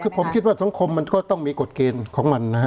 คือผมคิดว่าสังคมมันก็ต้องมีกฎเกณฑ์ของมันนะฮะ